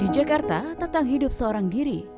di jakarta tentang hidup seorang diri